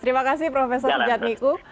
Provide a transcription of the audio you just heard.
terima kasih profesor sujad miko